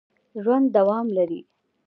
ژوند دوام لري